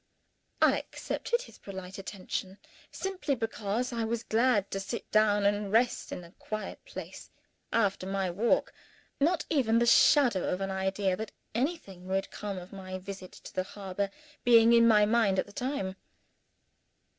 I accepted his polite attention, simply because I was glad to sit down and rest in a quiet place after my walk not even the shadow of an idea that anything would come of my visit to the harbor being in my mind at the time.